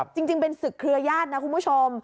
จริงเป็นศึกเครือญาตินะคุณผู้ชม